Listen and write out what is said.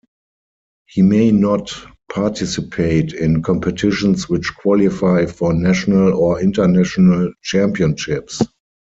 He may not participate in competitions which qualify for national or international championships.